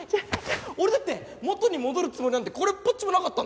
俺だって元に戻るつもりなんてこれっぽっちもなかったんだよ。